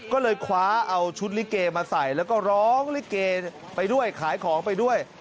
ก็เลยคว้าเอาชุดลิเกมาใส่แล้วก็ร้องลิเกไปด้วยขายของไปด้วย